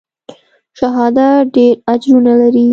شهادت ډېر اجرونه لري.